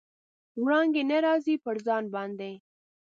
وړانګې نه راځي، پر ځان باندې